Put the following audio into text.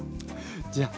じゃあ。